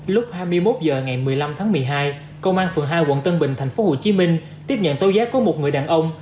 lúc hai mươi một h ngày một mươi năm tháng một mươi hai công an phường hai quận tân bình tp hcm tiếp nhận tố giác của một người đàn ông